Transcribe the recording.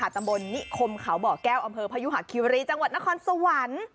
ตำบลนิคมเขาบ่อแก้วอำเภอพยุหะคิวรีจังหวัดนครสวรรค์